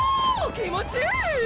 気持ちいい！